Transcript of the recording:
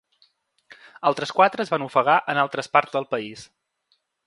Altres quatre es van ofegar en altres parts del país.